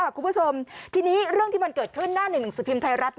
คุณผู้ชมทีนี้เรื่องที่มันเกิดขึ้นหน้าหนึ่งหนังสือพิมพ์ไทยรัฐ